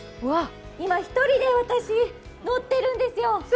今、１人で私、乗ってるんですよ。